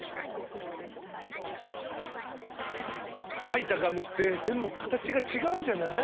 吐いたガムって全部形が違うじゃない？